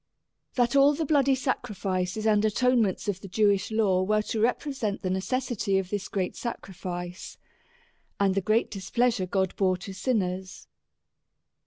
— That all the bloody sacrifices and atonements of the Jewish law, were to represent the necessity of this great sacrifice, and the great displeasure God bore to sinners.